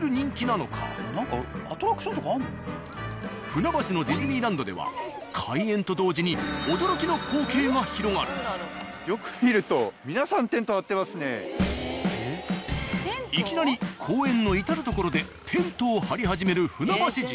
船橋のディズニーランドでは開園と同時によく見るといきなり公園の至る所でテントを張り始める船橋人。